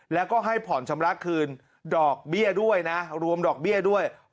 แล้วก็ให้ผ่อนชำระคืนดอกเบี้ยด้วยนะรวมดอกเบี้ยด้วย